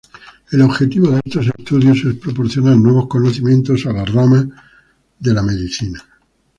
El objetivo de estos estudios es proporcionar nuevos conocimientos a la rama de medicina.